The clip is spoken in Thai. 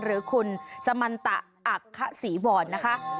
หรือคุณสมันตะอักขศรีวรนะคะ